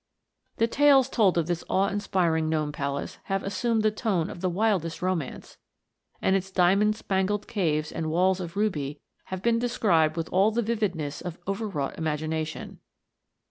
The tales told of this awe inspiring gnome palace have assumed the tone of the wildest romance; and its diamond spangled caves and walls of ruby have been described with all the vividness of over wrought imagination.